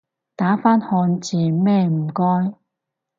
打返漢字吖唔該